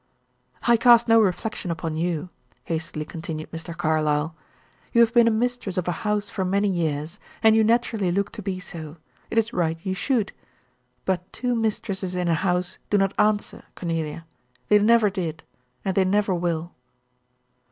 "I cast no reflection upon you," hastily continued Mr. Carlyle. "You have been a mistress of a house for many years, and you naturally look to be so; it is right you should. But two mistresses in a house do not answer, Cornelia; they never did, and they never will."